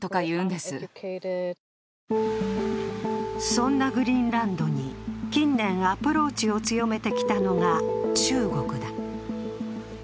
そんなグリーンランドに近年、アプローチを強めてきたのが中国だ。